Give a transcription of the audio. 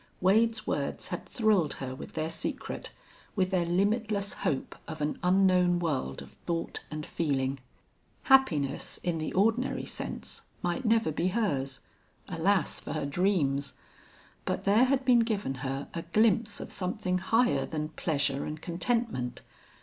Wade's words had thrilled her with their secret, with their limitless hope of an unknown world of thought and feeling. Happiness, in the ordinary sense, might never be hers. Alas for her dreams! But there had been given her a glimpse of something higher than pleasure and contentment.